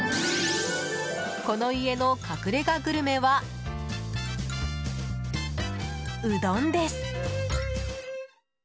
この家の隠れ家グルメはうどんです。